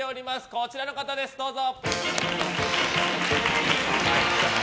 こちらの方です、どうぞ。